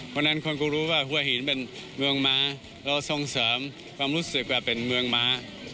เพราะฉะนั้นคนก็รู้ว่าหัวหินเป็นเมืองม้าเราส่งเสริมความรู้สึกว่าเป็นเมืองม้า